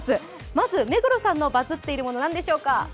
まず目黒さんのバズっているもの、何でしょうか。